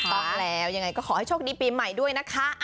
ต้องแล้วยังไงก็ขอให้โชคดีปีใหม่ด้วยนะคะ